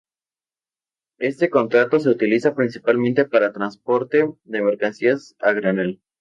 Este contrato se utiliza principalmente para transporte de mercancías a granel.